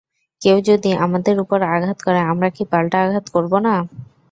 কেউ যদি আমাদের উপর আঘাত করে, আমরা কি পাল্টা আঘাত করব না?